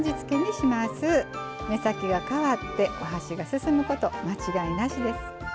目先が変わってお箸が進むこと間違いなしです。